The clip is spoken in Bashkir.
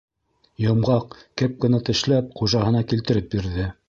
Йомғаҡ кепканы тешләп хужаһына килтереп бирҙе.